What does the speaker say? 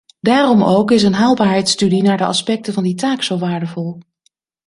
Daarom ook is een haalbaarheidsstudie naar de aspecten van die taak zo waardevol.